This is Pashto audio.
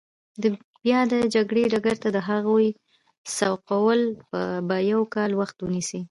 د بیا د جګړې ډګر ته د هغوی سوقول به یو کال وخت ونیسي.